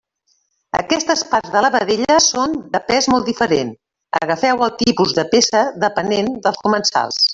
Aquestes parts de la vedella són de pes molt diferent, agafeu el tipus de peça depenent dels comensals.